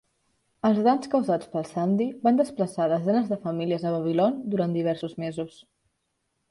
Els danys causats pel Sandy van desplaçar desenes de famílies a Babylon durant diversos mesos.